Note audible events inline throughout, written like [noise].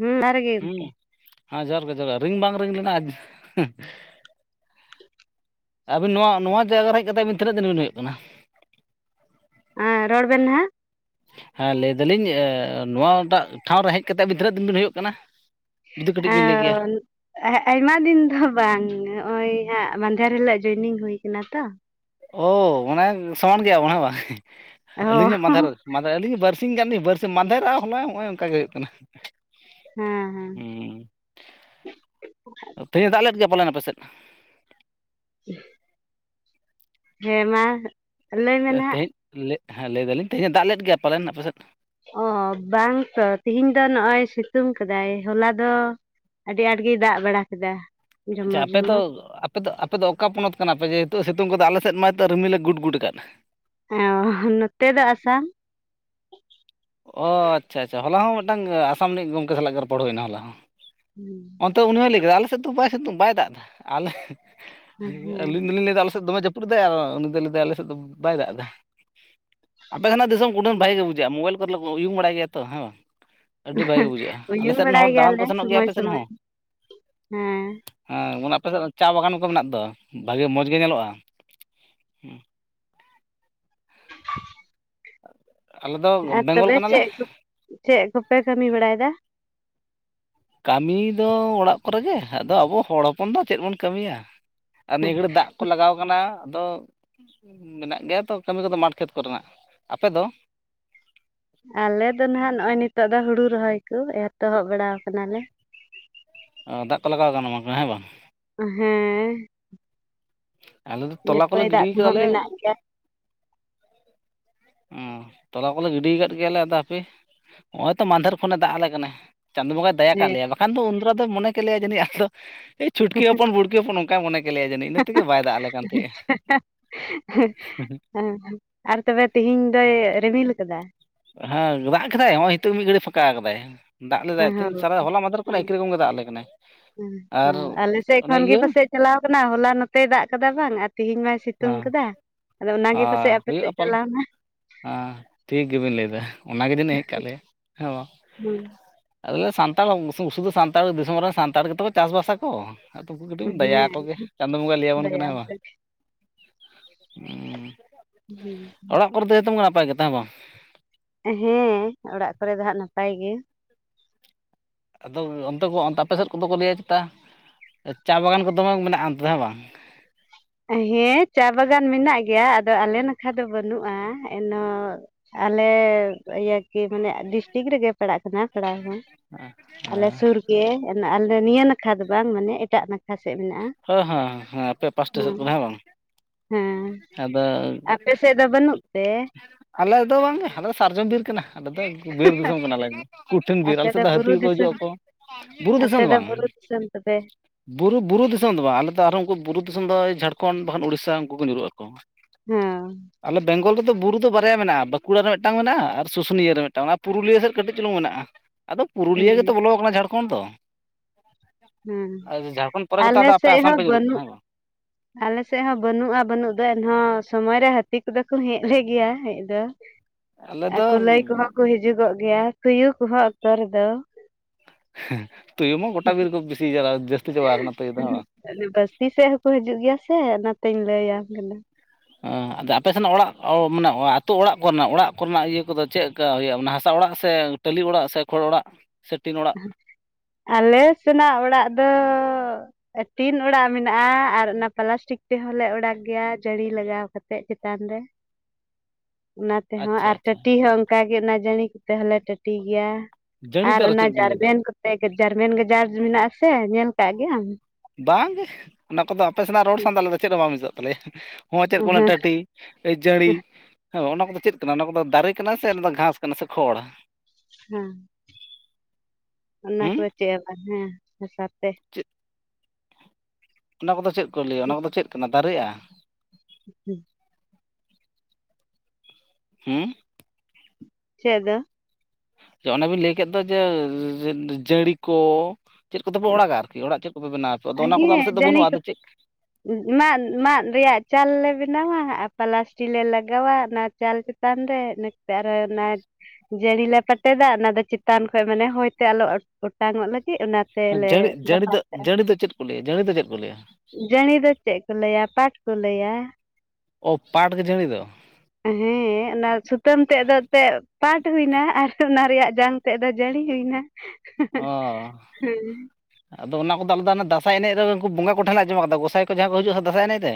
ᱦᱩᱸ ᱚᱱᱟ ᱨᱮᱜᱮ ᱦᱩᱸ ᱜᱚᱢᱠᱮ ᱡᱚᱦᱟᱨ ᱜᱮ ᱡᱚᱦᱟᱨ ᱜᱮ ᱨᱤᱝ ᱵᱟᱝ ᱨᱤᱝ ᱞᱮᱱᱟ? [unintelligible] ᱟᱹᱵᱤᱱ ᱱᱚᱣᱟ ᱱᱚᱣᱟ ᱡᱟᱭᱜᱟ ᱨᱮ ᱦᱮᱡ ᱠᱟᱛᱮ ᱟᱹᱵᱤᱱ ᱛᱤᱱᱟᱹᱜ ᱫᱤᱱ ᱵᱤᱱ ᱦᱩᱭᱩᱜ ᱠᱟᱱᱟ? [unintelligible] ᱨᱚᱲ ᱵᱮᱱ ᱱᱷᱟᱸᱜ᱾ [unintelligible] ᱞᱟᱹᱭᱮᱫᱟ ᱞᱤᱧ ᱱᱚᱣᱟ ᱴᱟᱜ ᱴᱷᱟᱶ ᱨᱮ ᱦᱮᱡ ᱠᱟᱛᱮᱜ ᱟᱵᱤᱱ ᱛᱤᱱᱟᱹᱜ ᱫᱤᱱ ᱵᱤᱱ ᱦᱩᱭᱩᱜ ᱠᱟᱱᱟ? ᱡᱩᱫᱤ ᱠᱟᱹᱴᱤᱡ ᱵᱤᱱ ᱞᱟᱹᱭ ᱠᱮᱭᱟ [unintelligible] [unintelligible] ᱟᱭᱢᱟ ᱫᱤᱱ ᱫᱚ ᱵᱟᱝ ᱱᱚᱜᱼᱚᱭ ᱦᱟᱸᱜ ᱢᱟᱦᱫᱮᱨ ᱦᱤᱞᱳᱜ ᱡᱚᱭᱱᱤᱝ ᱦᱩᱭᱟ ᱠᱟᱱᱟ ᱛᱚ᱾ ᱚᱻ ᱢᱟᱱᱮ ᱥᱚᱢᱟᱱ ᱜᱮᱭᱟ ᱵᱚᱱ ᱦᱟᱸᱜ ᱵᱟᱝ ᱚ ᱟᱹᱞᱤᱧ ᱦᱚᱸ ᱦᱮᱸ ᱢᱟᱫᱷᱮᱨ ᱢᱟᱫᱷᱮᱨ ᱟᱹᱞᱤᱧ ᱦᱚᱸ ᱵᱟᱨ [unintelligible] ᱾ [unintelligible] ᱜᱟᱱ ᱵᱟᱨᱥᱤ ᱢᱟᱫᱷᱮᱨ ᱦᱚᱞᱟ ᱱᱚᱜᱼᱚᱭ ᱚᱱᱠᱟ ᱜᱮ ᱦᱩᱭᱩᱜ ᱠᱟᱱᱟ ᱦᱮᱸ [unintelligible] ᱾ ᱛᱮᱦᱮᱧᱮ ᱫᱟᱜ ᱞᱮᱫ ᱜᱮᱭᱟ ᱯᱟᱞᱮᱱ ᱟᱯᱮ ᱥᱮᱫ? [inaudible] ᱦᱮᱸ ᱢᱟ᱾ ᱞᱟᱹᱭ ᱢᱮ [unintelligible] ᱛᱮᱦᱮᱪ ᱱᱟᱦᱟᱜ ᱞᱮ ᱞᱟᱹᱭᱮᱫᱟ ᱞᱤᱧ ᱛᱮᱦᱮᱧᱮ ᱫᱟᱜ ᱞᱮᱫ ᱜᱮᱭᱟ ᱯᱟᱞᱮᱱ ᱟᱯᱮᱥᱮᱫ? ᱚ ᱵᱟᱝ ᱛᱚ ᱛᱤᱦᱤᱧ ᱫᱚ ᱱᱚᱜᱼᱚᱭ ᱥᱤᱛᱩᱝ ᱠᱟᱫᱟᱭ, ᱦᱚᱞᱟ ᱫᱚ? ᱟᱹᱰᱤ ᱟᱸᱴ ᱜᱮᱭ ᱫᱟᱜ ᱵᱟᱲᱟ ᱠᱮᱫᱟ᱾ ᱟᱪᱪᱷᱟ ᱡᱷᱚᱢᱚᱨ ᱟᱯᱮ ᱫᱚ? ᱡᱷᱚᱢᱚᱨ [unintelligible] ᱟᱯᱮ ᱫᱚ ᱚᱠᱟ ᱯᱚᱱᱚᱛ ᱠᱟᱱᱟᱯᱮ? ᱡᱮ ᱦᱤᱛᱩᱜ ᱥᱤᱛᱩᱝ ᱠᱚᱫᱚ ᱟᱞᱮ ᱥᱮᱫ ᱢᱟ ᱱᱤᱛᱚᱜ ᱨᱤᱢᱤᱞᱮ ᱜᱩᱰ ᱜᱩᱰ ᱟᱠᱟᱫ᱾ ᱦᱮᱸ ᱚ ᱱᱚᱛᱮ ᱫᱚ ᱟᱥᱟᱢ᱾ ᱚ ᱟᱪᱪᱷᱟ ᱟᱪᱪᱷᱟ ᱦᱚᱞᱟ ᱦᱚᱸ ᱢᱤᱫᱴᱟᱝ ᱟᱥᱟᱢ ᱨᱤᱱᱤᱡ ᱜᱚᱝᱠᱮ ᱥᱟᱞᱟᱜ ᱜᱮ ᱨᱚᱯᱚᱲ ᱦᱩᱭᱮᱱᱟ ᱦᱚᱞᱟ ᱦᱚᱸ᱾ [unintelligible] ᱱᱤᱛᱚᱜ ᱩᱱᱤ ᱦᱚᱸᱭ ᱞᱟᱹᱭ ᱠᱮᱫᱟ ᱟᱞᱮᱥᱮᱫ ᱫᱚ ᱥᱤᱛᱩᱝ ᱵᱟᱭ ᱫᱟᱜ ᱮᱫᱟ ᱟᱞᱮ [unintelligible] ᱦᱮᱸ ᱟᱹᱞᱤᱧ ᱫᱚᱞᱤᱧ ᱞᱟᱹᱭᱫᱟ ᱟᱞᱮ ᱥᱮᱫ ᱫᱚᱢᱮ ᱡᱟᱹᱯ [unintelligible] [unintelligible] ᱩᱱᱤ ᱫᱚᱭ ᱞᱟᱹᱭ ᱮᱫᱟᱭ ᱟᱞᱮᱥᱮᱫ ᱫᱚ ᱵᱟᱭ ᱫᱟᱜ ᱮᱫᱟ ᱟᱯᱮ ᱥᱮᱱᱟᱜ ᱫᱤᱥᱚᱢ ᱠᱩᱰᱷᱟᱹᱱ ᱵᱷᱟᱹᱜᱤ ᱜᱮ [unintelligible] ᱾ ᱢᱳᱵᱟᱭᱤᱞ ᱠᱚᱨᱮ ᱩᱭᱩᱝ ᱵᱟᱲᱟᱭ ᱜᱮᱭᱟ ᱛᱚ ᱦᱮᱸ ᱵᱟᱝ? ᱟᱹᱰᱤ ᱵᱷᱟᱹᱜᱤ ᱜᱮ ᱵᱩᱡᱷᱟᱹᱜᱼᱟ, ᱟᱞᱮ ᱩᱭᱩᱝ ᱥᱮᱫ ᱨᱮᱱ ᱵᱟᱲᱟᱭ ᱦᱚᱲ ᱫᱟᱬᱟᱱ ᱠᱚ ᱜᱮᱭᱟᱞᱮ ᱥᱮᱱᱚᱜ ᱜᱮᱭᱟ ᱥᱚᱢᱚᱭ ᱟᱯᱮ ᱥᱮᱫ ᱥᱚᱢᱚᱭ ᱦᱚᱸ᱾ ᱦᱮᱸ ᱦᱮᱸ ᱚᱱᱟ ᱟᱯᱮᱥᱮᱫ ᱫᱚ ᱪᱟ ᱵᱟᱜᱟᱱ ᱠᱚ ᱢᱮᱱᱟᱜ ᱫᱚ ᱵᱷᱟᱜᱮ ᱢᱚᱡᱽ ᱜᱮ ᱧᱮᱞᱚᱜᱼᱟ᱾ [unintelligible] ᱟᱞᱮ ᱫᱚ ᱵᱮᱝᱜᱚᱞ ᱠᱟᱱᱟᱞᱮ᱾ ᱪᱮᱜ ᱠᱚᱯᱮ ᱠᱟᱹᱢᱤ ᱵᱟᱲᱟᱭᱮᱫᱟ? ᱠᱟᱹᱢᱤ ᱫᱚ ᱚᱲᱟᱜ ᱠᱚᱨᱮᱜᱮ, ᱟᱫᱚ ᱟᱵᱚ ᱦᱚᱲ ᱦᱚᱯᱚᱱ ᱫᱚ ᱪᱮᱫ ᱵᱚᱱ ᱠᱟᱹᱢᱤᱭᱟ? ᱟᱨ ᱱᱤᱭᱟᱹ ᱜᱷᱟᱹᱲᱤ ᱫᱟᱜ ᱠᱚ ᱞᱟᱜᱟᱣ [inaudible] [unintelligible] ᱟᱫᱚ ᱢᱮᱱᱟᱜ ᱜᱮᱭᱟ ᱛᱚ ᱠᱟᱹᱢᱤ ᱠᱚᱫᱚ ᱢᱟᱴ ᱠᱷᱮᱛ ᱠᱚᱨᱮᱱᱟᱜ ᱟᱯᱮ ᱫᱚ? ᱟᱞᱮ ᱫᱚ ᱱᱷᱟᱜ ᱱᱚᱜᱼᱚᱭ ᱱᱤᱛᱚᱜ ᱫᱚ ᱦᱩᱲᱩ ᱨᱚᱦᱚᱭ ᱠᱚ ᱮᱛᱚᱦᱚᱵ ᱵᱟᱲᱟᱣᱟ ᱠᱟᱱᱟ ᱞᱮ᱾ [unintelligible] ᱫᱟᱜ ᱠᱚ ᱞᱟᱜᱟᱣ ᱟᱠᱟᱱᱟ ᱵᱟᱝᱠᱷᱟᱱ ᱦᱮᱸ ᱵᱟᱝ [unintelligible] ᱦᱮᱸᱻ ᱟᱞᱮ ᱫᱚ [inaudible] ᱡᱷᱟᱹᱯᱟᱹᱭ ᱫᱟᱜ ᱜᱤᱰᱤ ᱠᱚᱦᱚᱸ ᱠᱟᱫᱟᱞᱮ ᱢᱮᱱᱟᱜ ᱜᱮᱭᱟ᱾ ᱚᱸ ᱛᱚᱞᱟ ᱠᱚᱞᱮ ᱜᱤᱰᱤ ᱟᱠᱟᱫ ᱜᱮᱭᱟᱞᱮ ᱟᱫᱚ ᱦᱟᱯᱮ ᱱᱚᱜᱼᱚᱭ ᱛᱚ ᱢᱟᱫᱷᱮᱨ ᱠᱷᱚᱱᱮ ᱫᱟᱜ ᱟᱞᱮ ᱠᱟᱱᱟᱭ᱾ ᱪᱟᱸᱫᱳ ᱵᱚᱸᱜᱟᱭ ᱫᱟᱭᱟ ᱠᱟᱫ ᱦᱮᱸ ᱞᱮᱭᱟ, ᱵᱟᱠᱷᱟᱱ ᱫᱚ ᱩᱱ ᱫᱟᱨᱟ ᱫᱚ ᱢᱚᱱᱮ ᱠᱮᱫ ᱞᱮᱭᱟ ᱡᱟᱹᱱᱤᱡ ᱟᱯᱮ ᱫᱚ [inaudible] ᱪᱷᱩᱴᱠᱤ ᱦᱚᱯᱚᱱ ᱵᱩᱲᱠᱤ ᱦᱚᱯᱚᱱ ᱱᱚᱝᱠᱟᱭ ᱢᱚᱱᱮ ᱠᱮᱜᱮᱭᱟ ᱡᱟᱹᱱᱤᱡ ᱤᱱᱟᱹ ᱛᱮᱜᱮ ᱵᱟᱭ ᱫᱟᱜ ᱟᱞᱮ ᱠᱟᱱ ᱛᱟᱦᱮᱸᱫᱼᱟ᱾ [unintelligible] ᱦᱮᱸ ᱦᱮᱸ ᱟᱨ ᱛᱚᱵᱮ ᱛᱤᱦᱤᱧ ᱫᱚᱭ ᱨᱤᱢᱤᱞ ᱟᱠᱟᱫᱟ? ᱦᱮᱸ ᱫᱟᱜ ᱠᱮᱫᱟᱭ ᱦᱚᱸᱜᱼᱚᱸᱭ ᱱᱤᱛᱚᱜ ᱢᱤᱫ ᱜᱷᱟᱹᱲᱤᱡ ᱯᱷᱟᱸᱠᱟ ᱟᱠᱟᱫᱟᱭ᱾ ᱫᱟᱜ ᱦᱮᱸ ᱞᱮᱫᱟᱭ ᱛᱮᱦᱮᱧ ᱦᱮᱸ ᱥᱟᱨᱟ ᱦᱚᱞᱟ ᱢᱟᱫᱷᱮᱨ ᱠᱷᱚᱱᱟᱜ ᱮᱠᱤ ᱦᱮᱸ ᱨᱚᱠᱚᱢ ᱜᱮ ᱫᱟᱜ ᱟᱞᱮ ᱠᱟᱱᱟᱭ᱾ ᱟᱨ [unintelligible] ᱟᱞᱮ ᱥᱮᱫ ᱚᱱᱮ ᱠᱷᱚᱱ ᱜᱮ ᱤᱭᱟᱹ ᱯᱟᱥᱮᱡ ᱪᱟᱞᱟᱣ ᱠᱟᱱᱟ ᱦᱚᱞᱟ ᱱᱚᱛᱮ ᱫᱟᱜ ᱠᱟᱫᱟᱭ ᱵᱟᱝ᱾ ᱛᱤᱦᱤᱧ ᱢᱟᱭ ᱥᱤᱛᱩᱝ ᱦᱮᱸ ᱠᱟᱫᱟ ᱟᱫᱚ ᱚᱱᱟᱜᱮ ᱯᱟᱥᱮᱡ ᱦᱮᱸ ᱟᱯᱮ ᱥᱮᱫ ᱦᱩᱭᱩᱜᱼᱟ ᱯᱟᱞᱮ ᱪᱟᱞᱟᱣᱱᱟ᱾ ᱦᱮᱸ ᱴᱷᱤᱠ ᱜᱮᱵᱤᱱ ᱞᱟᱹᱭᱫᱟ ᱚᱱᱟ ᱜᱮ ᱡᱟᱹᱱᱤᱡ ᱦᱮᱡ ᱠᱟᱜ ᱞᱮᱭᱟ ᱦᱮᱸ ᱵᱟᱝ᱾ ᱟᱞᱮ ᱥᱟᱱᱛᱟᱲ ᱥᱩᱫᱩ ᱥᱟᱱᱛᱟᱲ ᱫᱤᱥᱚᱢ ᱨᱮᱱ ᱥᱟᱱᱛᱟᱲ ᱜᱮᱛᱚ ᱠᱚ ᱪᱟᱥ ᱵᱟᱥ ᱟᱠᱚ ᱟᱫᱚ ᱩᱱᱠᱩ ᱠᱟᱹᱴᱤᱡ ᱦᱮᱸ ᱵᱚᱱ ᱫᱟᱭᱟ ᱦᱮᱸ ᱟᱠᱚ ᱜᱮ ᱪᱟᱸᱫᱚ ᱵᱚᱸᱜᱟᱭ ᱞᱟᱹᱭ ᱟᱵᱚᱱ ᱫᱟᱭᱟ ᱠᱟᱱᱟᱭ ᱦᱮᱸ ᱵᱟᱝ ᱩᱸ ᱚᱲᱟᱜ ᱠᱚᱨᱮ ᱫᱚ ᱡᱷᱚᱛᱚᱢ ᱜᱮ ᱱᱟᱯᱟᱭ ᱜᱮ ᱛᱚ ᱦᱮᱸ ᱵᱟᱝ ᱦᱮᱸ ᱚᱲᱟᱜ ᱠᱚᱨᱮ ᱫᱚ ᱦᱟᱸᱜ ᱱᱟᱯᱟᱭ ᱜᱮ ᱟᱫᱚ ᱚᱱᱛᱮ ᱠᱚ ᱚᱱᱛᱮ ᱟᱯᱮ ᱥᱮᱫ ᱠᱚᱫᱚ ᱠᱚ ᱞᱟᱹᱭᱟ ᱪᱮᱛᱟ ᱪᱟ ᱵᱟᱜᱟᱱ ᱠᱚ ᱫᱚᱢᱮ ᱢᱮᱱᱟᱜ-ᱟ ᱚᱱᱛᱮ ᱫᱚ ᱦᱮᱸ ᱵᱟᱝ ᱦᱮᱸ ᱪᱟ ᱵᱟᱜᱟᱱ ᱢᱮᱱᱟᱜ ᱜᱮᱭᱟ ᱟᱫᱚ ᱟᱞᱮ ᱱᱟᱠᱷᱟ ᱫᱚ ᱵᱟᱹᱱᱩᱜ-ᱟ ᱮᱱᱚ ᱟᱞᱮ ᱤᱭᱟᱹ ᱠᱤ ᱢᱟᱱᱮ ᱰᱤᱥᱴᱤᱠ ᱨᱮᱜᱮ ᱯᱟᱲᱟᱜ ᱠᱟᱱᱟ ᱯᱟᱲᱟᱣ ᱦᱚᱸ ᱟᱞᱮ ᱥᱩᱨ ᱜᱮ ᱟᱞᱮ ᱱᱤᱭᱟᱹ ᱱᱟᱠᱷᱟ ᱫᱚ ᱵᱟᱝ ᱢᱟᱱᱮ ᱮᱴᱟᱜ ᱱᱟᱠᱷᱟ ᱥᱮᱫ ᱢᱮᱱᱟᱜ-ᱟ ᱦᱮᱸ ᱦᱮᱸ ᱦᱮᱸ ᱟᱯᱮ ᱯᱟᱸᱥᱴᱟ ᱥᱮᱫ ᱠᱷᱚᱱ ᱦᱮᱸ ᱵᱟᱝ ᱦᱮᱸ ᱟᱫᱚ ᱟᱯᱮ ᱥᱮᱫ ᱫᱚ ᱵᱟᱹᱱᱩᱜ ᱛᱮ ᱟᱞᱮ ᱫᱚ ᱵᱟᱝ ᱜᱮ ᱟᱞᱮ ᱫᱚ ᱥᱟᱨᱡᱚᱢ ᱵᱤᱨ ᱠᱟᱱᱟ ᱟᱞᱮ ᱫᱚ ᱵᱤᱨ ᱫᱤᱥᱚᱢ ᱠᱟᱱᱟ ᱞᱮ ᱠᱩᱴᱷᱤᱱ ᱵᱤᱨ ᱟᱯᱮ ᱟᱞᱮ ᱥᱮᱫ ᱫᱚ ᱦᱟᱹᱛᱤ ᱵᱩᱨᱩ ᱦᱚᱸ ᱠᱚ ᱦᱤᱡᱩᱜ ᱫᱤᱥᱚᱢ ᱟᱠᱚ ᱵᱩᱨᱩ ᱫᱤᱥᱚᱢ ᱫᱚ ᱵᱟᱝ ᱵᱩᱨᱩ ᱫᱤᱥᱚᱢ ᱛᱟᱯᱮ ᱵᱩᱨᱩ ᱵᱩᱨᱩ ᱫᱤᱥᱚᱢ ᱫᱚ ᱵᱟᱝ ᱟᱞᱮ ᱫᱚ ᱟᱨᱦᱚᱸ ᱩᱱᱠᱩ ᱵᱩᱨᱩ ᱫᱤᱥᱚᱢ ᱫᱚ ᱡᱷᱟᱲᱠᱷᱚᱱᱰ ᱵᱟᱠᱷᱟᱱ ᱩᱲᱤᱥᱥᱟ ᱩᱱᱠᱩ ᱠᱚ ᱧᱩᱨᱩᱜ ᱟᱠᱚ ᱦᱚᱸ ᱟᱞᱮ ᱵᱮᱝᱜᱚᱞ ᱨᱮᱫᱚ ᱵᱩᱨᱩ ᱫᱚ ᱵᱟᱨᱭᱟ ᱢᱮᱱᱟᱜᱼᱟ ᱵᱟᱸᱠᱩᱲᱟ ᱨᱮ ᱢᱤᱫᱴᱟᱝ ᱢᱮᱱᱟᱜ-ᱟ ᱟᱨ ᱥᱩᱥᱩᱱᱤᱭᱟᱹ ᱨᱮ ᱢᱤᱫᱴᱟᱝ ᱢᱮᱱᱟᱜ-ᱟ ᱚᱱᱟ ᱯᱩᱨᱩᱞᱤᱭᱟᱹ ᱥᱮᱫ ᱠᱟᱹᱴᱤᱡ ᱪᱩᱞᱩᱝ ᱢᱮᱱᱟᱜ-ᱟ ᱟᱫᱚ ᱯᱩᱨᱩᱞᱤᱭᱟᱹ ᱜᱮᱛᱚ ᱦᱮᱸ ᱵᱚᱞᱚ ᱟᱠᱟᱱᱟ ᱡᱷᱟᱲᱠᱷᱚᱱᱰ ᱫᱚ ᱦᱮᱸ ᱟᱨ ᱡᱷᱟᱲᱠᱷᱚᱸᱰ ᱯᱚᱨᱮ ᱜᱮᱛᱚ ᱟᱞᱮ ᱟᱫᱚ ᱟᱯᱮ ᱥᱮᱡ ᱟᱥᱟᱢ ᱦᱚᱸ ᱯᱮ ᱧᱩᱨᱩᱜ ᱵᱟᱹᱱᱩᱜ [inaudible] ᱟᱞᱮ ᱥᱮᱡ ᱦᱚᱸ ᱵᱟᱹᱱᱩᱜ-ᱟ ᱵᱟᱹᱱᱩᱜ ᱫᱚ ᱮᱱᱦᱚᱸ ᱥᱚᱢᱚᱭ ᱨᱮ ᱦᱟᱹᱛᱤ ᱠᱚᱫᱚ ᱠᱚ ᱦᱮᱡ ᱞᱮ ᱜᱮᱭᱟ ᱦᱮᱡ ᱫᱚ ᱟᱞᱮ ᱫᱚ ᱠᱩᱞᱟᱹᱭ ᱠᱚᱦᱚᱸ ᱠᱚ ᱦᱤᱡᱩᱜᱚᱜ ᱜᱮᱭᱟ ᱛᱩᱭᱩ ᱠᱚᱦᱚᱸ ᱚᱠᱛᱚ ᱨᱮᱫᱚ ᱦᱮᱸ ᱛᱩᱭᱩ ᱢᱟ ᱜᱚᱴᱟ ᱵᱤᱨ ᱠᱚ ᱵᱤᱥᱤ ᱡᱟᱨᱟ ᱡᱟᱹᱥᱛᱤ ᱪᱟᱵᱟ ᱟᱠᱟᱱᱟ ᱛᱩᱭᱩ ᱫᱚ ᱦᱮᱸ ᱵᱟᱝ ᱵᱟᱥᱛᱤ ᱥᱮᱜ ᱦᱚᱸ ᱠᱚ ᱦᱤᱡᱩᱜ ᱜᱮᱭᱟ ᱥᱮ ᱚᱱᱟ ᱛᱮᱧ ᱞᱟᱹᱭ ᱟᱢ‌ ᱠᱟᱱᱟ ᱟ ᱟᱫᱚ ᱟᱯᱮ ᱥᱮᱱᱟᱜ ᱚᱲᱟᱜ ᱢᱟᱱᱮ ᱟᱹᱛᱩ ᱚᱲᱟᱜ ᱠᱚ ᱨᱮᱱᱟᱜ ᱚᱲᱟᱜ ᱠᱚ ᱨᱮᱱᱟᱜ ᱤᱭᱟᱹ ᱠᱚᱫᱚ ᱪᱮᱜ ᱠᱟ ᱦᱩᱭᱩᱜ-ᱟ ᱢᱟᱱᱮ ᱦᱟᱥᱟ ᱚᱲᱟᱜ ᱥᱮ ᱴᱟᱹᱞᱤ ᱚᱲᱟᱜ ᱥᱮ ᱠᱷᱚᱲ ᱚᱲᱟᱜ ᱥᱮ ᱴᱤᱱ ᱚᱲᱟᱜ ᱟᱞᱮ ᱥᱮᱱᱟᱜ ᱚᱲᱟᱜ ᱫᱚ ᱴᱤᱱ ᱚᱲᱟᱜ ᱢᱮᱱᱟᱜ-ᱟ ᱟᱨ ᱚᱱᱟ ᱯᱞᱟᱥᱴᱤᱠ ᱛᱮᱦᱚᱸ ᱞᱮ ᱚᱲᱟᱜ ᱜᱮᱭᱟ ᱡᱟᱸᱲᱤ ᱞᱟᱜᱟᱣ ᱠᱟᱛᱮᱜ ᱪᱮᱛᱟᱱ ᱨᱮ [inaudible] ᱚᱱᱟ ᱛᱮ ᱦᱚᱸ ᱟᱪᱪᱷᱟ ᱟᱨ ᱟᱪᱪᱷᱟ ᱴᱟᱹᱴᱤ ᱦᱚᱸ ᱚᱱᱠᱟ ᱜᱮ ᱚᱱᱟ ᱡᱟᱸᱲᱤ ᱠᱚ ᱛᱮ ᱦᱚᱸᱞᱮ ᱴᱟᱹᱴᱤ ᱜᱮᱭᱟ ᱡᱟᱸᱲᱤ ᱫᱚ ᱟᱨ ᱦᱚᱸ ᱚᱱᱟ ᱪᱮᱫ ᱵᱤᱱ ᱞᱟᱹᱭ ᱮᱫᱟ ᱡᱟᱨᱢᱮᱱ ᱠᱚᱛᱮ ᱜᱮ ᱡᱟᱨᱢᱮᱱ ᱜᱟᱡᱟᱲ ᱢᱮᱱᱟᱜ ᱟᱥᱮ ᱧᱮᱞ ᱠᱟᱜ ᱜᱮᱭᱟᱢ ᱵᱟᱝ ᱜᱮ ᱚᱱᱟ ᱠᱚᱫᱚ ᱟᱯᱮ ᱥᱮᱱᱟᱜ ᱨᱚᱲ ᱥᱟᱶ ᱫᱚ ᱟᱞᱮ ᱫᱚ ᱪᱮᱫ ᱦᱚᱸ ᱵᱟᱝ ᱢᱤᱡᱚᱜ ᱛᱟᱞᱮᱭᱟ ᱦᱚᱸᱜ ᱚᱭ ᱪᱮᱫ ᱠᱚ ᱢᱮᱱᱟ ᱦᱮᱸ ᱴᱟᱹᱴᱤ ᱡᱟᱸᱲᱤ ᱦᱮᱸ ᱚᱱᱟ ᱠᱚᱫᱚ ᱪᱮᱫ ᱠᱟᱱᱟ ᱚᱱᱟ ᱠᱚᱫᱚ ᱫᱟᱨᱮ ᱠᱟᱱᱟ ᱥᱮ ᱚᱱᱟ ᱫᱚ ᱜᱷᱟᱥ ᱠᱟᱱᱟ ᱥᱮ ᱠᱷᱚᱲ ᱦᱮᱸ ᱚᱱᱟ ᱦᱩᱸ ᱠᱚᱫᱚ ᱪᱮᱫ ᱦᱚᱸ ᱵᱟᱝ ᱦᱮᱸ ᱦᱟᱥᱟ ᱛᱮ ᱪᱮᱫ ᱚᱱᱟ ᱠᱚᱫᱚ ᱪᱮᱫ ᱠᱚ ᱞᱟᱹᱭᱟ ᱚᱱᱟ ᱠᱚᱫᱚ ᱪᱮᱫ ᱠᱟᱱᱟ ᱫᱟᱨᱮᱜ-ᱟ ᱦᱩᱸ ᱦᱩᱸ ᱪᱮᱫ ᱫᱚ ᱚᱱᱮ ᱵᱤᱱ ᱞᱟᱹᱭ ᱠᱮᱫ ᱫᱚ ᱡᱮ ᱡᱟᱸᱲᱤ ᱠᱚ ᱪᱮᱫ ᱠᱚᱛᱮ ᱯᱮ ᱚᱲᱟᱜᱟ ᱟᱨᱠᱤ ᱚᱲᱟᱜ ᱪᱮᱫ ᱠᱚᱯᱮ ᱵᱮᱱᱟᱣ ᱟᱯᱮ ᱟᱫᱚ ᱚᱱᱟ ᱠᱚᱫᱚ ᱟᱞᱮ ᱥᱮᱫ ᱫᱚ ᱵᱟᱹᱱᱩᱜ-ᱟ ᱟᱫᱚ ᱪᱮᱫ ᱢᱟᱱ ᱢᱟᱱ ᱨᱮᱭᱟᱜ ᱪᱟᱞ ᱞᱮ ᱵᱮᱱᱟᱣᱟ ᱟᱨ ᱯᱟᱞᱟᱥᱴᱤ ᱞᱮ ᱞᱟᱜᱟᱣᱟ ᱚᱱᱟ ᱪᱟᱞ ᱪᱮᱛᱟᱱ ᱨᱮ ᱤᱱᱟᱹ ᱠᱟᱛᱮ ᱟᱨᱦᱚᱸ ᱚᱱᱟ ᱡᱟᱸᱲᱤ ᱞᱮ ᱯᱟᱴᱮᱫᱟ ᱚᱱᱟ ᱫᱚ ᱪᱮᱛᱟᱱ ᱠᱷᱚᱡ ᱢᱟᱱᱮ ᱦᱚᱭ ᱛᱮ ᱟᱞᱚ ᱚᱴᱟᱝ ᱚᱜ ᱞᱟᱹᱜᱤᱫ ᱚᱱᱟ ᱚᱱᱟ ᱛᱮᱞᱮ ᱡᱟᱹᱲᱤ ᱡᱟᱹᱲᱤ ᱫᱚ ᱫᱟᱯᱟᱞ ᱠᱟᱜᱼᱟ ᱡᱟᱹᱲᱤ ᱫᱚ ᱪᱮᱫ ᱠᱚ ᱞᱟᱹᱭᱟ ᱡᱟᱹᱲᱤ ᱫᱚ ᱪᱮᱫ ᱠᱚ ᱞᱟᱹᱭᱟ ᱡᱟᱹᱲᱤ ᱫᱚ ᱪᱮᱫ ᱠᱚ ᱞᱟᱹᱭᱟ ᱯᱟᱴ ᱠᱚ ᱞᱟᱹᱭᱟ ᱚ ᱯᱟᱴ ᱜᱮ ᱡᱟᱹᱲᱤ ᱫᱚ ᱦᱮᱸ ᱚᱱᱟ ᱥᱩᱛᱟᱹᱢ ᱛᱮᱫ ᱫᱚ ᱮᱱᱛᱮ ᱯᱟᱴ ᱦᱩᱭ ᱮᱱᱟ ᱟᱨ ᱚᱱᱟ ᱨᱮᱭᱟᱜ ᱡᱟᱝ ᱛᱮᱫ ᱫᱚ ᱡᱟᱸᱲᱤ ᱦᱩᱭ ᱱᱟ ᱚ ᱟᱫᱚ ᱚᱱᱟ ᱠᱚᱫᱚ ᱟᱞᱮᱫᱚ ᱚᱱᱟ ᱫᱟᱥᱟᱭ ᱮᱱᱮᱡ ᱨᱮ ᱩᱱᱠᱩ ᱵᱚᱸᱜᱟ ᱠᱚᱷᱮᱱ ᱞᱮ ᱟᱡᱚᱢ ᱟᱠᱟᱫᱟ ᱜᱚᱸᱥᱟᱭ ᱠᱚ ᱡᱟᱦᱟ ᱦᱤᱡᱩᱜᱼᱟ ᱫᱟᱸᱟᱭ ᱮᱱᱮᱡ ᱨᱮ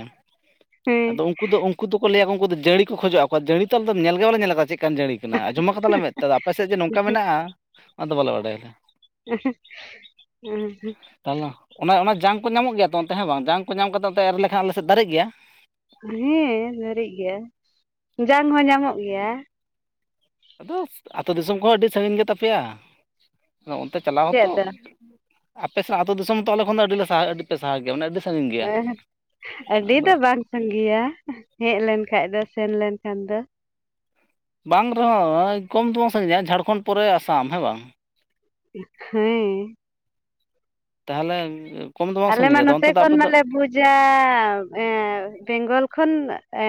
[inaudible] ᱦᱮᱸ ᱟᱫᱚ ᱩᱱᱠᱩ ᱫᱚ ᱩᱱᱠᱩ ᱫᱚᱠᱚ ᱞᱟᱹᱭᱟ ᱩᱱᱠᱩ ᱫᱚ ᱡᱟᱹᱲᱤ ᱠᱚ ᱠᱷᱚᱡᱚᱜ ᱟᱠᱚ ᱡᱟᱹᱲᱤ ᱛᱚ ᱟᱞᱫᱚ ᱧᱮᱞ ᱜᱮ ᱵᱟᱞᱮ ᱧᱮᱞ ᱟᱠᱟᱫᱟ ᱪᱮᱫᱠᱟᱱ ᱡᱟᱹᱲᱤ ᱦᱮᱱᱟᱜ-ᱟ ᱟᱸᱡᱚᱢᱟ ᱠᱟᱫᱟᱞᱮ ᱢᱮᱫ ᱛᱮᱫ ᱫᱚ ᱟᱯᱮᱥᱮᱫ ᱡᱮ ᱱᱚᱝᱠᱟ ᱢᱮᱱᱟᱜᱼᱟ ᱚᱱᱟᱫᱚ ᱵᱟᱞᱮ ᱵᱟᱰᱟᱭᱟ ᱦᱚᱸᱦᱚᱸᱦᱩᱸ ᱛᱟᱦᱚᱞᱮ ᱚᱱᱮ ᱚᱱᱟ ᱡᱟᱝ ᱠᱚ ᱧᱟᱢᱚᱜ ᱜᱮᱭᱟ ᱱᱚᱛᱮ ᱦᱮᱸ ᱵᱟᱝ ᱡᱟᱝ ᱠᱚ ᱧᱟᱢ ᱠᱟᱛᱮᱫ ᱱᱚᱛᱮ ᱮᱨ ᱞᱮᱠᱷᱟᱱ ᱟᱞᱮ ᱥᱮᱫ ᱫᱟᱨᱮᱜ ᱜᱮᱭᱟ᱾ ᱦᱮᱸ ᱱᱟᱲᱤᱜ ᱜᱮᱭᱟ ᱡᱟᱝ ᱦᱚᱸ ᱧᱟᱢᱚᱜ ᱜᱮᱭᱟ᱾ ᱟᱫᱚ ᱟᱹᱛᱩ ᱫᱤᱥᱚᱢ ᱠᱚᱦᱚᱸ ᱟᱹᱰᱤ ᱥᱟᱹᱜᱤᱧ ᱜᱮᱛᱟ ᱯᱮᱭᱟ ᱚᱱᱛᱮ ᱪᱟᱞᱟᱣ ᱦᱚᱸᱛᱚ ᱪᱮᱫ ᱫᱚ ᱟᱯᱮ ᱥᱟᱜ ᱟᱹᱛᱩ ᱫᱤᱥᱚᱢ ᱛᱚ ᱟᱞᱮ ᱠᱷᱚᱱ ᱫᱚ ᱟᱹᱰᱤᱞᱮ ᱥᱟᱦᱟᱜᱼᱟ ᱟᱹᱰᱤ ᱯᱮ ᱥᱟᱦᱟᱣ ᱜᱮᱭᱟ ᱢᱟᱱᱮ ᱟᱹᱰᱤ ᱥᱟᱺᱜᱤᱧ ᱜᱮᱭᱟ ᱟᱫᱚ ᱥᱟᱸᱜᱮᱭᱟ ᱦᱮᱡ ᱞᱮᱱ ᱠᱷᱟᱱ ᱫᱚ ᱥᱮᱱ ᱞᱮᱱ ᱠᱷᱟᱱ ᱫᱚ ᱵᱟᱝ ᱨᱮᱦᱚᱸ ᱠᱚᱢ ᱫᱚᱢ ᱥᱟᱺᱜᱤᱧᱟ ᱡᱷᱟᱲᱠᱷᱚᱸᱰ ᱯᱚᱨᱮ ᱟᱥᱟᱢ ᱦᱮᱸ ᱵᱟᱝ ᱦᱮᱸ ᱛᱟᱦᱚᱞᱮ ᱠᱚᱢ ᱫᱚ ᱵᱟᱝ ᱟᱞᱮ ᱢᱟ ᱥᱟᱺᱜᱤᱧᱟ ᱟᱫᱚ ᱱᱚᱛᱮ ᱚᱱᱛᱮ ᱫᱚ ᱠᱷᱚᱱ ᱟᱯᱮ ᱫᱚ ᱢᱟᱞᱮ ᱵᱩᱡᱟ ᱮ ᱵᱮᱝᱜᱚᱞ ᱠᱷᱚᱱ ᱮ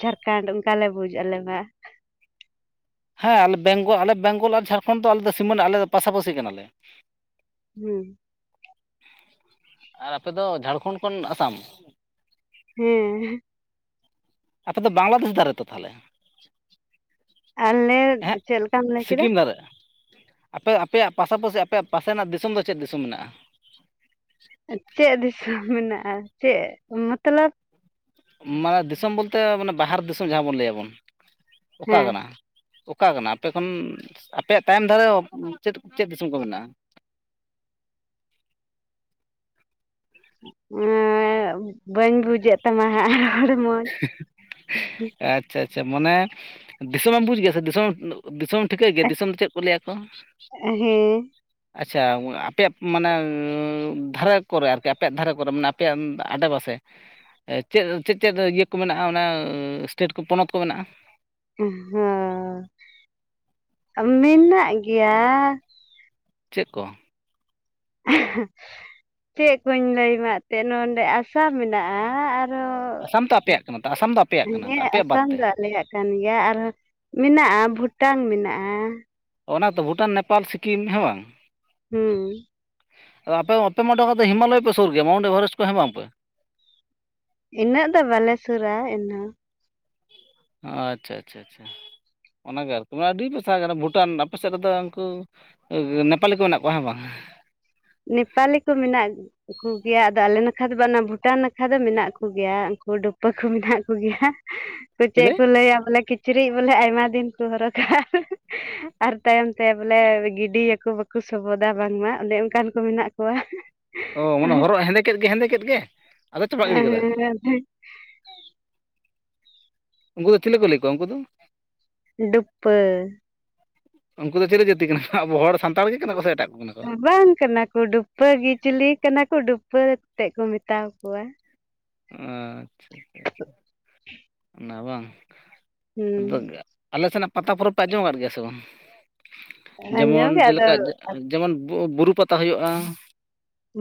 ᱡᱷᱟᱲᱠᱷᱚᱱᱰ ᱚᱱᱠᱟ ᱞᱮ ᱵᱩᱡ ᱟᱞᱮ ᱢᱟ ᱦᱮᱸ ᱟᱞᱮ ᱵᱮᱝᱜᱚᱞ ᱟᱞᱮ ᱵᱮᱝᱜᱚᱞ ᱟᱨ ᱡᱷᱟᱲᱠᱷᱚᱸᱰ ᱫᱚ ᱟᱞᱮ ᱫᱚ ᱥᱤᱢᱟᱹᱱᱟ ᱟᱞᱮ ᱫᱚ ᱯᱟᱥᱟᱯᱟᱥᱤ ᱠᱟᱱᱟᱞᱮ ᱦᱩᱸ ᱟᱨ ᱟᱯᱮ ᱫᱚ ᱡᱷᱟᱲᱠᱷᱚᱸᱰ ᱠᱷᱚᱱ ᱟᱥᱟᱢ ᱦᱮᱸ ᱟᱯᱮ ᱫᱚ ᱵᱟᱝᱞᱟᱫᱮᱥ ᱫᱟᱨᱮ ᱨᱮᱛᱚ ᱛᱟᱦᱚᱞᱮ ᱟᱞᱮ ᱮᱦᱮᱸᱜ ᱪᱮᱫ ᱞᱮᱠᱟᱢ ᱞᱟᱹᱭ ᱠᱮᱫᱟ ᱥᱤᱠᱤᱢ ᱫᱷᱟᱨᱮ ᱟᱯᱮ ᱟᱯᱮᱭᱟᱜ ᱯᱟᱥᱟᱯᱟᱹᱥᱤ ᱟᱯᱮᱭᱟᱜ ᱯᱟᱥᱮᱱᱟᱜ ᱫᱤᱥᱚᱢ ᱫᱚ ᱪᱮᱫ ᱫᱤᱥᱚᱢ ᱢᱮᱱᱟᱜᱼᱟ ᱪᱮᱫ ᱫᱤᱥᱚᱢ ᱢᱮᱱᱟᱜᱼᱟ ᱪᱮᱫ ᱢᱚᱛᱞᱚᱵ ᱢᱟᱱᱮ ᱫᱤᱥᱚᱢ ᱵᱚᱞᱛᱮ ᱢᱟᱱᱮ ᱵᱟᱦᱟᱨ ᱫᱤᱥᱚᱢ ᱡᱟᱦᱟᱸ ᱵᱚᱱ ᱞᱟᱹᱭᱟᱵᱚᱱ ᱚᱠᱟ ᱦᱮᱸ ᱠᱟᱱᱟ ᱚᱠᱟ ᱠᱟᱱᱟ ᱟᱯᱮ ᱠᱷᱚᱱ ᱟᱯᱮᱭᱟᱜ ᱛᱟᱭᱚᱢ ᱫᱷᱟᱨᱮ ᱪᱮᱫ ᱪᱮᱫ ᱫᱤᱥᱚᱢ ᱠᱚ ᱢᱮᱱᱟᱜᱼᱟ᱾ ᱮ ᱵᱟᱹᱧ ᱵᱩᱡᱮᱫ ᱛᱟᱢᱟ ᱦᱟᱸᱜ [unintelligible] ᱟᱪᱪᱷᱟ ᱟᱪᱪᱷᱟ ᱢᱟᱱᱮ ᱫᱤᱥᱚᱢᱮᱢ ᱵᱩᱡ ᱜᱮᱭᱟ ᱥᱮ ᱫᱤᱥᱚᱢ ᱫᱤᱥᱚᱢ ᱴᱷᱤᱠᱟᱹᱭ ᱜᱮᱭᱟ ᱫᱤᱥᱚᱢ ᱫᱚ ᱪᱮᱫ ᱠᱚ ᱞᱟᱹᱭᱟ ᱠᱚ ᱦᱮᱸ ᱟᱪᱪᱷᱟ ᱟᱯᱮᱭᱟᱜ ᱢᱟᱱᱮ ᱫᱷᱟᱨᱮ ᱠᱚᱨᱮ ᱟᱨᱠᱤ ᱟᱯᱮᱭᱟᱜ ᱫᱷᱟᱨᱮ ᱠᱚᱨᱮ ᱢᱟᱱᱮ ᱟᱯᱮᱭᱟᱜ ᱟᱰᱮᱯᱟᱥᱮ ᱪᱮᱫ ᱪᱮᱫ ᱪᱮᱫ ᱤᱭᱟᱹ ᱠᱚ ᱢᱮᱱᱟᱜᱼᱟ ᱚᱱᱟ ᱮᱥᱴᱮᱴ ᱠᱚ ᱯᱚᱱᱚᱛ ᱠᱚ ᱢᱮᱱᱟᱜᱼᱟ ᱚᱦᱚ ᱢᱮᱱᱟᱜ ᱜᱮᱭᱟ ᱪᱮᱫ ᱠᱚ? ᱟᱦᱟᱸ ᱪᱮᱫ ᱠᱚᱧ ᱞᱟᱹᱭᱢᱟ ᱮᱱᱛᱮᱫ ᱱᱚᱰᱮ ᱟᱥᱟᱢ ᱢᱮᱱᱟᱜᱼᱟ ᱟᱨ ᱟᱨᱦᱚᱸ ᱟᱥᱟᱢ ᱛᱚ ᱟᱯᱮᱭᱟᱜ ᱠᱟᱱᱟ ᱛᱚ ᱟᱥᱟᱢ ᱫᱚ ᱟᱯᱮᱭᱟᱜ ᱠᱟᱱᱟ ᱛᱚ ᱦᱮᱸ ᱟᱯᱮᱭᱟᱜ ᱵᱟᱫ ᱟᱥᱟᱢ ᱫᱚ ᱛᱮ ᱟᱞᱮᱭᱟᱜ ᱜᱮ ᱠᱟᱱ ᱜᱮᱭᱟ ᱟᱨᱦᱚᱸ ᱢᱮᱱᱟᱜᱼᱟ ᱵᱷᱩᱴᱟᱱ ᱢᱮᱱᱟᱜᱼᱟ ᱚᱱᱮᱛᱚ ᱵᱷᱩᱴᱟᱱ ᱱᱮᱯᱟᱞ ᱥᱤᱠᱤᱢ ᱦᱮᱸ ᱵᱟᱝ ᱦᱩᱸ ᱟᱯᱮ ᱚᱰᱮ ᱢᱟ ᱦᱤᱢᱟᱞᱚᱭ ᱯᱮ ᱥᱩᱨ ᱜᱮᱭᱟ ᱢᱟᱭᱩᱱᱴᱚ ᱮᱵᱷᱟᱨᱮᱥᱴ ᱠᱚ ᱦᱮᱸ ᱵᱟᱝ ᱥᱮ ᱤᱱᱟᱹᱜ ᱫᱚ ᱵᱟᱞᱮ ᱥᱩᱨᱟ ᱮᱱ ᱦᱚᱸ ᱚ ᱟᱪᱪᱷᱟ ᱟᱪᱪᱷᱟ ᱟᱪᱪᱷᱟ ᱚᱱᱟᱜᱮ ᱟᱨᱠᱤ ᱢᱟᱱᱮ ᱟᱹᱰᱤ ᱯᱮ ᱥᱟᱦᱟ ᱠᱟᱱᱟ ᱵᱷᱩᱴᱟᱱ ᱟᱯᱮ ᱥᱮᱫ ᱨᱮᱫᱚ ᱩᱱᱠᱩ ᱱᱮᱯᱟᱞᱤ ᱠᱚ ᱢᱮᱱᱟᱜ ᱠᱚᱣᱟ ᱦᱮᱸ ᱵᱟᱝ ᱱᱮᱯᱟᱞᱤ ᱠᱚ ᱢᱮᱱᱟᱜ ᱠᱚ ᱜᱮᱭᱟ ᱟᱫᱚ ᱟᱞᱮ ᱱᱟᱠᱷᱟ ᱫᱚ ᱵᱟᱝ ᱚᱱᱟ ᱵᱷᱩᱴᱟᱱ ᱱᱟᱠᱷᱟ ᱫᱚ ᱢᱮᱱᱟᱜ ᱠᱚᱜᱮᱭᱟ ᱩᱱᱠᱩ ᱰᱩᱯᱟᱹ ᱠᱚ ᱢᱮᱛᱟ ᱠᱚᱜᱮᱭᱟ [inaudible] ᱪᱮᱫ ᱠᱚ ᱞᱟᱹᱭᱟ ᱵᱚᱞᱮ ᱠᱤᱪᱨᱤᱡ ᱵᱚᱞᱮ ᱟᱭᱢᱟ ᱫᱤᱱ ᱠᱚ ᱦᱚᱨᱚᱜᱟ᱾ ᱟᱨ ᱛᱟᱭᱚᱢ ᱛᱮ ᱵᱚᱞᱮ ᱜᱤᱰᱤᱭᱟᱠᱚ ᱵᱟᱠᱚ ᱥᱚᱵᱚᱫᱟ ᱵᱟᱝᱢᱟ ᱚᱱᱮ ᱚᱱᱠᱟᱱ ᱠᱚ ᱢᱮᱱᱟᱜ ᱠᱚᱣᱟ᱾ ᱚ ᱢᱟᱱᱮ ᱦᱚᱨᱚᱜ ᱦᱮᱸᱫᱮ ᱠᱮᱫ ᱜᱮ ᱦᱮᱸᱫᱮ ᱠᱮᱫ ᱜᱮ ᱟᱫᱚ ᱪᱟᱯᱟᱜ ᱜᱤᱰᱤ ᱠᱟᱫᱟ᱾ [unintelligible] ᱩᱝᱠᱩ ᱫᱚ ᱪᱷᱤᱞᱤ ᱠᱚ ᱞᱟᱹᱭ ᱠᱚᱣᱟ ᱩᱝᱠᱩ ᱫᱚ? ᱰᱩᱯᱯᱟᱹ᱾ ᱩᱝᱠᱩ ᱫᱚ ᱪᱮᱞᱮ ᱡᱟᱹᱛᱤ ᱠᱟᱱᱟ ᱠᱚ ᱟᱵᱚ ᱦᱚᱲ ᱥᱟᱱᱛᱟᱲ ᱜᱮ ᱠᱟᱱᱟ ᱠᱚ ᱥᱮ ᱮᱴᱟᱜ ᱠᱚ ᱠᱟᱱᱟ ᱠᱚ? ᱵᱟᱝ ᱠᱟᱱᱟ ᱠᱚ ᱰᱩᱯ ᱯᱟᱹ ᱜᱤ ᱪᱤᱞᱤ ᱠᱟᱱᱟ ᱠᱚ ᱰᱩᱯᱯᱟᱹ ᱛᱮᱜ ᱠᱚ ᱢᱮᱛᱟᱣ ᱠᱚᱣᱟ᱾ ᱟᱪᱪᱷᱟᱻ [inaudible] ᱚᱱᱟ ᱵᱟᱝ, ᱦᱩᱸ ᱟᱫᱚ ᱟᱞᱮ ᱥᱮᱱᱟᱜ ᱯᱟᱛᱟ ᱯᱚᱨᱚᱵᱽ ᱯᱮ ᱟᱸᱡᱚᱢ ᱟᱠᱟᱫ ᱜᱮᱭᱟ ᱥᱮ ᱵᱟᱝ ᱟᱸᱡᱚᱢ ᱡᱮᱢᱚᱱ ᱜᱮ ᱟᱫᱚ ᱡᱮᱞᱮᱠᱟ ᱡᱮᱢᱚᱱ ᱵᱩᱜ ᱵᱩᱨᱩ ᱯᱟᱛᱟ ᱦᱳᱭᱳᱜᱼᱟ᱾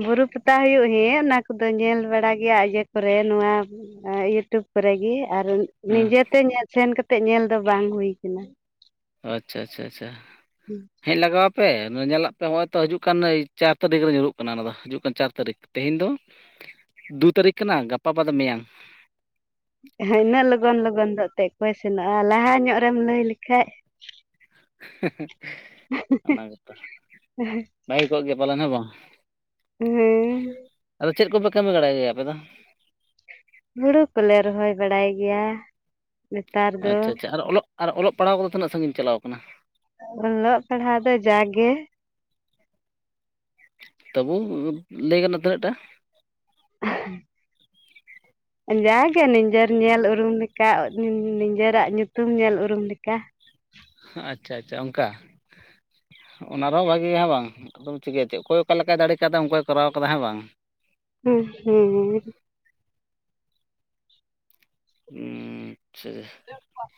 ᱵᱩᱨᱩ ᱯᱟᱛᱟ ᱦᱩᱭᱩᱜ ᱦᱮᱸ ᱚᱱᱟ ᱠᱚᱫᱚ ᱧᱮᱞ ᱵᱟᱲᱟ ᱜᱮᱭᱟ ᱤᱭᱟᱹ ᱠᱚᱨᱮ ᱱᱚᱣᱟ ᱮᱸ ᱤᱭᱩᱴᱩᱵ ᱠᱚᱨᱮᱜᱤ ᱟᱨ ᱦᱮᱸ ᱱᱤᱡᱮᱛᱮ ᱧᱮ ᱥᱮᱱ ᱠᱟᱛᱮᱜ ᱧᱮᱞ ᱫᱚ ᱵᱟᱝ ᱦᱩᱭ ᱠᱟᱱᱟ᱾ ᱟᱪᱪᱷᱟ ᱟᱪᱪᱷᱟ ᱟᱪᱪᱷᱟ ᱦᱩᱸ ᱦᱮᱡ ᱞᱟᱜᱟᱣ ᱟᱯᱮ ᱱᱚᱣᱟ ᱧᱮᱞᱟᱜ ᱯᱮ ᱦᱚᱜᱼᱚᱭ ᱛᱚ ᱦᱟᱹᱡᱩᱜ ᱠᱟᱱ ᱪᱟᱨ ᱛᱟᱹᱨᱤᱠᱷ ᱨᱮ ᱧᱩᱨᱩᱜ ᱠᱟᱱᱟ ᱚᱱᱟ ᱫᱚ ᱦᱤᱡᱩᱜ ᱠᱟᱱ ᱪᱟᱨ ᱛᱟᱹᱨᱤᱠᱷ᱾ ᱛᱮᱦᱮᱧ ᱫᱚ ᱫᱩ ᱛᱟᱹᱨᱤᱠᱷ ᱠᱟᱱᱟ ᱜᱟᱯᱟ ᱵᱟᱫ ᱢᱮᱭᱟᱝ᱾ ᱦᱚᱸᱜ ᱤᱱᱟᱹᱜ ᱞᱚᱜᱚᱱ ᱞᱚᱜᱚᱱ ᱫᱚ ᱮᱛᱮᱜ ᱠᱚᱭ ᱥᱮᱱᱚᱜᱼᱟ ᱞᱟᱦᱟ ᱧᱚᱜ ᱨᱮᱢ ᱞᱟᱹᱭ ᱞᱮᱠᱷᱟᱡ, ᱚᱱᱟ ᱜᱮᱛᱚ ᱵᱷᱟᱹᱜᱮ ᱠᱚᱜ ᱜᱮᱭᱟ ᱯᱟᱞᱮᱱ ᱦᱮᱸ ᱵᱟᱝ? ᱦᱩᱸ ᱟᱫᱚ ᱪᱮᱫ ᱠᱚᱯᱮ ᱠᱟᱹᱢᱤ ᱵᱟᱲᱟᱭ ᱜᱮᱭᱟ ᱟᱯᱮ ᱫᱚ? ᱦᱩᱲᱩ ᱠᱚᱞᱮ ᱨᱚᱦᱚᱭ ᱵᱟᱲᱟᱭ ᱜᱮᱭᱟ᱾ ᱱᱮᱛᱟᱨ ᱫᱚ ᱟᱪᱪᱷᱟ ᱟᱪᱪᱷᱟ ᱟᱨ ᱚᱞᱚᱠ ᱟᱨ ᱚᱞᱚᱠ ᱯᱟᱲᱦᱟᱣ ᱫᱚ ᱛᱤᱱᱟᱹᱜ ᱥᱟᱺᱜᱤᱧ ᱪᱟᱞᱟᱣ ᱠᱟᱱᱟ? ᱚᱞᱚᱜ ᱯᱟᱲᱦᱟᱣ ᱫᱚ ᱡᱟᱜᱮ, ᱛᱚᱵᱩ ᱞᱟᱹᱭ ᱜᱟᱱᱚᱜᱼᱟ ᱛᱤᱱᱟᱹᱜ ᱴᱟ? [inaudible] ᱡᱟᱜᱮ ᱱᱤᱡᱮᱨ ᱧᱮᱞ ᱩᱨᱩᱝ ᱞᱮᱠᱟ ᱱᱤ ᱱᱤᱡᱮᱨᱟᱜ ᱧᱩᱛᱩᱢ ᱧᱮᱞ ᱩᱨᱩᱝ ᱞᱮᱠᱟ᱾ ᱟᱪᱪᱷᱟ ᱟᱪᱪᱷᱟ ᱚᱝᱠᱟ? ᱚᱱᱟ ᱨᱮᱦᱚᱸ ᱵᱷᱟᱜᱮᱭᱟ ᱦᱮᱸ ᱵᱟᱝ ᱲᱫᱚᱢ ᱪᱤᱠᱟᱹᱭᱟ ᱪᱮᱜ ᱚᱠᱚᱭ ᱚᱠᱟ ᱞᱮᱠᱟᱭ ᱫᱟᱲᱮ ᱠᱟᱣᱫᱟ ᱚᱝᱠᱟᱭ ᱠᱚᱨᱟᱣ ᱠᱟᱫᱟ ᱦᱮᱸ ᱵᱟᱝ? ᱦᱩᱸ ᱦᱩᱸ ᱟᱪᱪᱷᱟ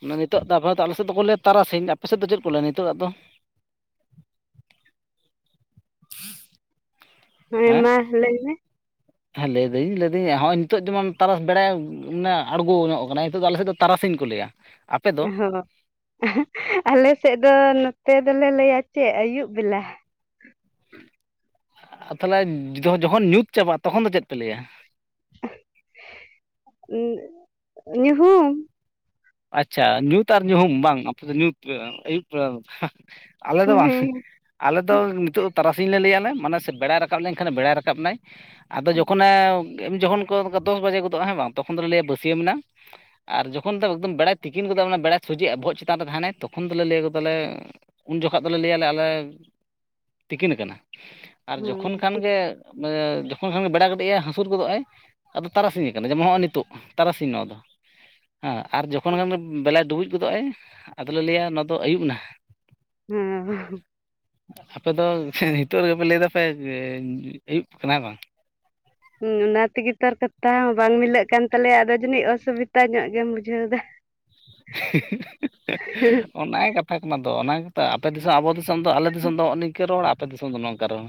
ᱢᱟᱱᱮ ᱱᱤᱛᱚᱜ ᱫᱚ ᱟᱯᱟᱛᱚᱛ ᱟᱞᱮ ᱱᱤᱛᱚᱜ ᱫᱚᱠᱚ ᱞᱮᱭᱟ ᱛᱟᱨᱟᱥᱤᱧ ᱟᱯᱮ ᱥᱮᱫ ᱫᱚ ᱪᱮᱫ ᱠᱚ ᱞᱮᱭᱟ ᱱᱤᱛᱚᱜᱟᱜ ᱫᱚ? ᱦᱮᱸ ᱢᱟᱦ ᱞᱟᱹᱭ ᱢᱮ᱾ ᱦᱮᱸ ᱞᱟᱹᱭ ᱫᱟᱹᱧ ᱞᱟᱹᱭᱫᱟᱹᱧ ᱱᱚᱜᱼᱚᱭ ᱱᱤᱛᱳᱜ ᱡᱮᱢᱚᱱ ᱛᱟᱨᱟᱥ ᱵᱮᱲᱟᱭ ᱢᱟᱱᱮ ᱟᱬᱜᱚ ᱧᱚᱜ ᱠᱟᱱᱟᱭ ᱱᱤᱛᱚᱜ ᱫᱚ ᱟᱞᱮ ᱥᱮᱫ ᱫᱚ ᱛᱟᱨᱟᱥᱤᱧ ᱠᱚ ᱞᱟᱹᱭᱟ, ᱟᱯᱮ ᱫᱚ ᱦᱳ ᱟᱞᱮ ᱥᱮᱫ ᱫᱚ ᱱᱚᱛᱮ ᱫᱚᱞᱮ ᱞᱟᱹᱭᱟ ᱪᱮᱜ ᱟᱹᱭᱩᱵ ᱵᱮᱞᱟ᱾ ᱟᱨ ᱛᱟᱦᱚᱞᱮ ᱡᱚᱠᱷ ᱡᱚᱠᱷᱚᱱ ᱧᱩᱛ ᱪᱟᱵᱟᱜᱼᱟ ᱛᱚᱠᱷᱚᱱ ᱫᱚ ᱪᱮᱫ ᱯᱮ ᱞᱮᱭᱟ? ᱧᱩᱦᱩᱢ ᱟᱪᱪᱷᱟ ᱧᱩᱛ ᱟᱨ ᱧᱩᱦᱩᱢ ᱵᱟᱝ ᱟᱯᱮ ᱫᱚ ᱧᱩᱛ ᱯᱮ [unintelligible] ᱟᱹᱭᱩᱵ ᱵᱮᱲᱟ, ᱟᱞᱮ ᱫᱚ ᱵᱟᱝ ᱦᱮᱸ ᱟᱞᱮ ᱫᱚ ᱱᱤᱛᱳᱜ ᱛᱟᱨᱟᱥᱤᱧ ᱞᱮ ᱞᱟᱹᱭᱟᱞᱮ ᱢᱟᱱᱮ ᱥᱮ ᱵᱮᱲᱟᱭ ᱨᱟᱠᱟᱵ ᱞᱮᱱᱠᱷᱟᱱᱮ ᱵᱮᱲᱟᱭ ᱨᱟᱠᱟᱵ ᱱᱟᱭ ᱟᱫᱚ ᱡᱚᱠᱷᱚᱱᱮ ᱮᱢ ᱡᱚᱠᱷᱚᱱ ᱫᱚᱥ ᱵᱟᱡᱮ ᱜᱚᱫᱚᱜᱼᱟ ᱦᱮᱸ ᱵᱟᱝ ᱛᱚᱠᱷᱚᱱ ᱫᱚ ᱞᱮ ᱞᱮᱭᱟ ᱵᱟᱹᱥᱭᱟᱹᱢᱮᱱᱟ ᱟᱨ ᱡᱚᱠᱷᱚᱱ ᱫᱚ ᱮᱠᱫᱚᱢ ᱵᱮᱲᱟᱭ ᱛᱤᱠᱤᱱ ᱜᱚᱫᱚᱜᱼᱟ ᱢᱟᱱᱮ ᱵᱮᱲᱟᱭ ᱥᱚᱡᱮᱜᱼᱟ ᱵᱚᱦᱚᱜ ᱪᱮᱛᱟᱱ ᱨᱮ ᱛᱟᱦᱮᱱᱟᱭ ᱛᱚᱠᱷᱚᱱ ᱫᱚᱞᱮ ᱞᱮᱭ ᱜᱚᱫᱟᱞᱮ ᱩᱱ ᱡᱚᱠᱷᱟᱜ ᱫᱚᱞᱮ ᱞᱮᱭᱟᱞᱮ ᱟᱞᱮ ᱛᱤᱠᱤᱱ ᱠᱟᱱᱟ, ᱟᱨ ᱡᱚᱠᱷᱚᱱ ᱠᱷᱟᱱ ᱴᱷᱤᱠ ᱜᱮ ᱢᱟᱱᱮ ᱡᱚᱠᱷᱚᱱ ᱠᱷᱟᱱ ᱜᱮ ᱵᱮᱲᱟ ᱠᱟᱹᱴᱟᱡ ᱮ ᱦᱟᱹᱥᱩᱨ ᱜᱚᱫᱚᱜᱼᱟᱭ, ᱟᱫᱚ ᱛᱟᱨᱟᱥᱤᱧ ᱟᱠᱟᱱᱟ ᱡᱮᱢᱚᱱ ᱦᱚᱼᱚᱭ ᱱᱤᱛᱜ ᱛᱟᱨᱟᱥᱤᱧ ᱱᱚᱣᱟ ᱫᱚ᱾ ᱦᱮᱸ ᱟᱨ ᱡᱚᱠᱷᱚᱱ ᱜᱟᱱ ᱵᱮᱞᱟᱭ ᱰᱩᱵᱩᱡ ᱜᱚᱫᱚᱜᱼᱟᱭ ᱟᱫᱚᱞᱮ ᱞᱮᱭᱟ ᱱᱚᱣᱟ ᱫᱚ ᱟᱹᱭᱩᱵ ᱱᱟ᱾ ᱦᱩᱸᱻ ᱟᱯᱮ ᱫᱚ ᱱᱤᱛᱚᱜ ᱨᱮᱜᱮᱯᱮ ᱞᱟᱹᱭ ᱫᱟᱯᱮ ᱟᱹᱭᱩᱵ ᱠᱟᱱᱟ ᱦᱮᱸ ᱵᱟᱝ, ᱦᱩᱸ ᱚᱱᱟ ᱛᱤᱜᱤ ᱛᱚ ᱟᱨ ᱠᱟᱛᱷᱟ ᱦᱚᱸ ᱵᱟᱝ ᱢᱤᱞᱟᱹᱜ ᱠᱟᱱ ᱛᱟᱞᱮᱭᱟ ᱟᱫᱚ ᱡᱟᱹᱱᱤᱡ ᱚᱥᱩᱵᱤᱛᱟ ᱧᱚᱜ ᱜᱮᱢ ᱵᱩᱡᱷᱟᱹᱣ ᱫᱟ, ᱚᱱᱟ ᱜᱮ ᱠᱟᱛᱷᱟ ᱠᱟᱱᱟ ᱫᱚ ᱚᱱᱟ ᱜᱮᱛ ᱟᱯᱮ ᱫᱤᱥᱚᱢ ᱟᱵᱚ ᱫᱤᱥᱚᱢ, ᱫᱤᱥᱚᱢ ᱫᱚ ᱟᱞᱮ ᱫᱤᱥᱚᱢ ᱫᱚ ᱱᱚᱜᱼᱚ ᱱᱤᱝᱠᱟᱹ ᱨᱚᱲ ᱟᱯᱮ ᱫᱤᱥᱚᱢ ᱫᱚ ᱱᱚᱝᱠᱟ ᱨᱚᱲ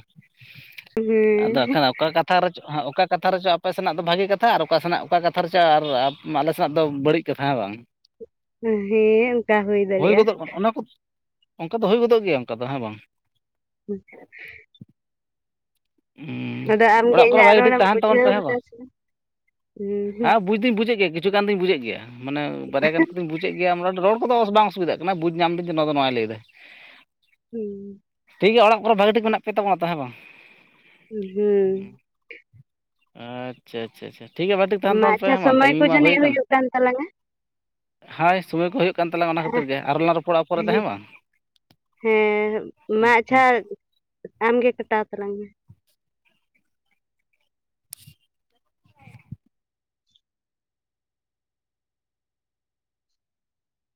ᱟᱫᱚ ᱦᱮᱸ ᱟᱠᱷᱟᱱ ᱚᱠᱟ ᱠᱟᱛᱷᱟ ᱨᱮᱪᱚ ᱚᱠᱟ ᱠᱟᱛᱷᱟ ᱨᱮᱪᱚ ᱟᱯᱮ ᱥᱮᱱᱟᱜ ᱫᱚ ᱵᱷᱟᱜᱮ ᱠᱟᱛᱷᱟ ᱟᱨ ᱚᱠᱟᱥᱮᱱᱟᱜ ᱚᱠᱟ ᱠᱟᱛᱷᱟ ᱨᱮᱪᱚ ᱟᱨ ᱟᱞᱮ ᱥᱮᱱᱟᱜ ᱫᱚ ᱵᱟᱹᱲᱤᱡ ᱠᱟᱛᱷᱟ ᱦᱮᱸ ᱵᱟᱝ ᱦᱮᱸ ᱦᱩᱭ ᱦᱳᱭ ᱫᱟᱲᱮᱭᱟᱜᱼᱟ ᱜᱚᱫᱚᱜ ᱠᱟᱱᱟ ᱚᱱᱟ ᱠᱚ ᱚᱱᱠᱟ ᱫᱚ ᱦᱳᱭ ᱜᱚᱫᱚᱜ ᱜᱮᱭᱟ ᱚᱱᱠᱟ ᱫᱚ ᱦᱮᱸ ᱵᱟᱝ ᱦᱩᱸ ᱦᱩᱸ ᱟᱫᱚ ᱟᱢᱜᱮ ᱚᱲᱟᱜ ᱠᱚᱨᱮ ᱤᱧᱟᱹᱜ ᱵᱷᱟᱜᱮ ᱴᱷᱤᱠ ᱨᱚᱲᱮᱢ ᱛᱟᱦᱮᱸᱱ ᱛᱟᱵᱚᱱ ᱵᱩᱡᱷᱟᱹᱣ ᱯᱮ ᱦᱮᱸ ᱞᱮᱫᱟ ᱵᱟᱝ, ᱥᱮ ᱦᱮᱸ ᱵᱩᱡ ᱫᱩᱧ ᱵᱩᱡᱮᱫ ᱜᱮᱭᱟ ᱠᱤᱪᱷᱩ ᱜᱟᱱ ᱫᱩᱧ ᱵᱩᱡᱮᱫ ᱜᱮᱭᱟ ᱢᱟᱱᱮ ᱵᱟᱨᱭᱟ ᱜᱟᱱ ᱤᱧ ᱵᱩᱡᱮᱫ ᱜᱮᱭᱟ ᱢᱚᱴᱟᱢᱩᱴᱤ ᱨᱚᱲ ᱠᱚᱫᱚ ᱵᱟᱝ ᱚᱥᱩᱵᱤᱫᱷᱟᱜ ᱠᱟᱱᱟ ᱵᱩᱡᱽ ᱧᱟᱢ ᱫᱤᱧ ᱫᱚ ᱱᱚᱣᱟ ᱫᱚ ᱱᱚᱣᱟᱭ ᱞᱟᱹᱭᱮᱫᱟ, ᱦᱩᱸ ᱴᱷᱤᱠ ᱜᱮᱭᱟ ᱚᱲᱟᱜ ᱠᱚᱨᱮ ᱵᱷᱟᱜᱮ ᱴᱷᱤᱠ ᱢᱮᱱᱟᱜ ᱯᱮ ᱛᱟᱵᱚᱱᱟ ᱛᱚ ᱦᱮᱸ ᱵᱟᱝ, ᱦᱩᱸ ᱟᱪᱪᱷᱟ ᱟᱪᱪᱷᱟ ᱴᱷᱤᱠ ᱜᱮᱭᱟ ᱵᱷᱟᱜᱮ ᱴᱷᱤᱠ ᱛᱟᱦᱮᱸᱱ ᱢᱟ ᱛᱟᱵᱚᱱ ᱯᱮ ᱟᱪᱪᱷᱟ ᱦᱮᱸ ᱵᱟᱝ ᱥᱚᱢᱚᱭ ᱴᱟᱭᱤᱢᱤ ᱠᱚ ᱢᱟ ᱦᱩᱭ ᱡᱟᱹᱱᱤᱡ ᱠᱟᱱᱟ, ᱦᱩᱭᱩᱜ ᱠᱟᱱ ᱛᱟᱞᱟᱝᱟ ᱦᱚᱭ ᱥᱚᱢᱚᱭ ᱠᱚ ᱦᱩᱭᱩᱜ ᱠᱟᱱ ᱛᱟᱞᱟᱝ-ᱟ ᱚᱱᱟ ᱠᱷᱟᱹᱛᱤᱨ ᱜᱮ ᱟᱨᱚᱞᱟᱝ ᱨᱚᱯᱚᱲᱟ ᱯᱚᱨᱮ ᱛᱮ ᱦᱮᱸ ᱵᱟᱝ, ᱦᱮᱸ ᱢᱟ ᱦᱩᱸ ᱟᱪᱪᱷᱟ, ᱟᱢᱜᱮ ᱠᱟᱴᱟᱣ ᱛᱟᱞᱟᱝ ᱢᱮ,